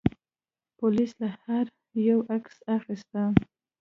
پولیس له هر یوه عکس اخیسته.